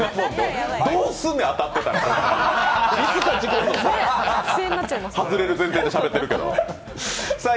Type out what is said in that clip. どうするの、当たってたら、外れる前提でしゃべってるけど。